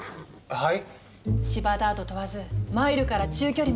はい？